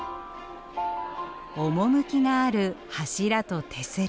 趣がある柱と手すり。